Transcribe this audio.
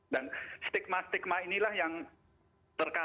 dan stigma stigma inilah yang terkait